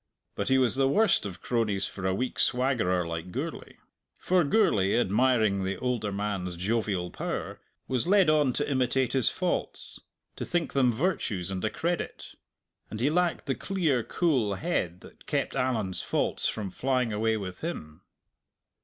But he was the worst of cronies for a weak swaggerer like Gourlay. For Gourlay, admiring the older man's jovial power, was led on to imitate his faults, to think them virtues and a credit; and he lacked the clear, cool head that kept Allan's faults from flying away with him.